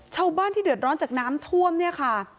ชาวบ้านที่เดือดร้อนจากน้ำท่วมเนี่ยค่ะ